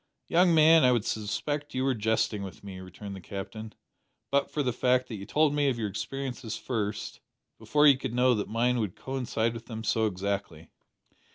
"Young man, I would suspect you were jesting with me," returned the Captain, "but for the fact that you told me of your experiences first, before you could know that mine would coincide with them so exactly."